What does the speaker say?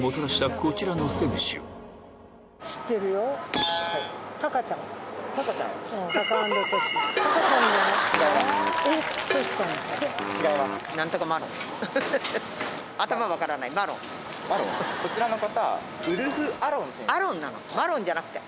こちらの方。